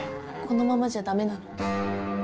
このままじゃダメなの？